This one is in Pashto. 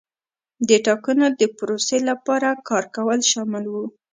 د ټاکنو د پروسې لپاره کار کول شامل وو.